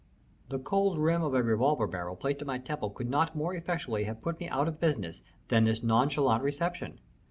The cold rim of a revolver barrel placed at my temple could not more effectually have put me out of business than this nonchalant reception.